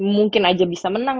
mungkin aja bisa menang